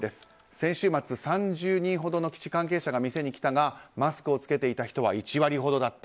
先週末、３０人ほどの基地関係者が店に来たが、マスクを付けていた人は１割ほどだった。